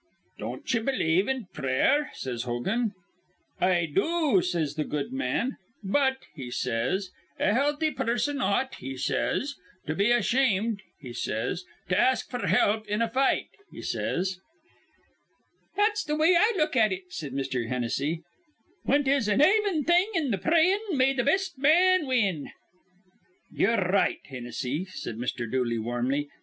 'Don't ye believe in prayer?' says Hogan. 'I do,' says th' good man; 'but,' he says, 'a healthy person ought,' he says, 'to be ashamed,' he says, 'to ask f'r help in a fight,' he says." "That's th' way I look at it," said Mr. Hennessy. "When 'tis an aven thing in th' prayin', may th' best man win." "Ye're r right, Hinnissy," said Mr. Dooley, warmly.